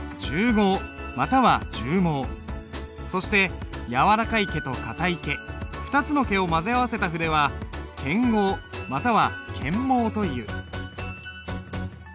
そして柔らかい毛と硬い毛２つの毛を混ぜ合わせた筆は兼毫または兼毛という。